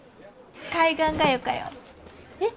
海岸がよかよ。え？